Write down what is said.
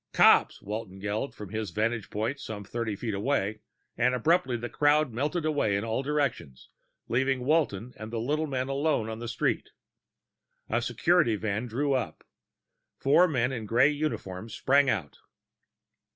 "Cops!" Walton yelled from his vantage point some thirty feet away, and abruptly the crowd melted away in all directions, leaving Walton and the little man alone on the street. A security wagon drew up. Four men in gray uniforms sprang out.